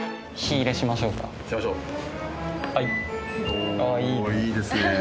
おおいいですね。